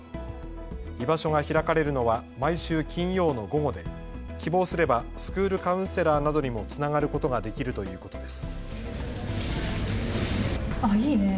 居場所が開かれるのは毎週金曜の午後で希望すればスクールカウンセラーなどにもつながることができるということです。